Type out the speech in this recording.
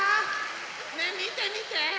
ねえみてみて！